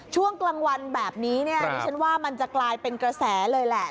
ช่วงกลางวันแบบนี้เนี่ยดิฉันว่ามันจะกลายเป็นกระแสเลยแหละ